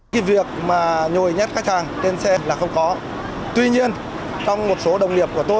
tình trạng nhồi nhét vẫn có tuy nhiên số lượng không nhiều